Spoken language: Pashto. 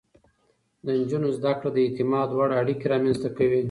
د نجونو زده کړه د اعتماد وړ اړيکې رامنځته کوي.